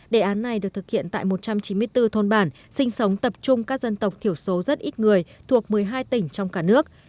đề án này được thực hiện tại một trăm chín mươi bốn thôn bản sinh sống tập trung các dân tộc thiểu số rất ít người thuộc một mươi hai tỉnh trong cả nước